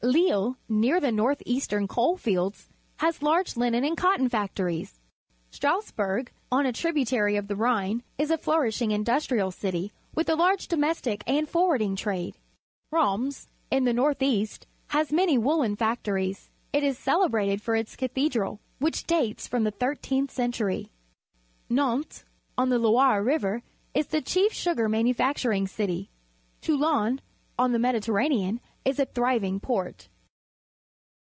Lille, near the north eastern coal fields, has large linen and cotton factories. Strasbourg, on a tributary of the Rhine, is a flouri.shing in dustrial city, with a large domestic and for warding trade. Reims, in the north east, has many woollen factories. It is celebrated for its cathedral, which dates from the thirteenth centur}^ Xaiites, on the Loire River, is the chief sugar manufacturing city. Toulon, on the Mediterranean, is a thriving port.